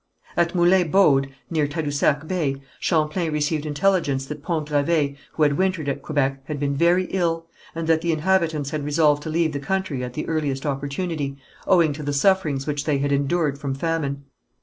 At Moulin Baude, near Tadousac Bay, Champlain received intelligence that Pont Gravé, who had wintered at Quebec, had been very ill, and that the inhabitants had resolved to leave the country at the earliest opportunity owing to the sufferings which they had endured from famine.